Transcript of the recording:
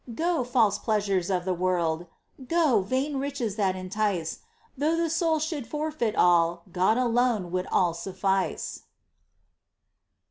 Go, false pleasures of the world ! Go, vain riches that entice ! Though the soul should forfeit all, God alone would all suffice